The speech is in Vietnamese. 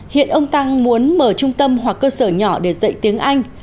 hiện ông tăng muốn mở trung tâm hoặc cơ sở nhỏ để dạy tiếng anh